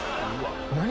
何？